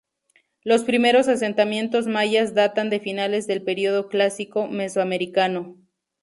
Los primeros asentamientos mayas datan de finales del periodo clásico mesoamericano.